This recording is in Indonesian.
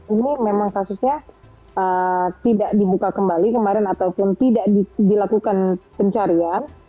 ini memang kasusnya tidak dibuka kembali kemarin ataupun tidak dilakukan pencarian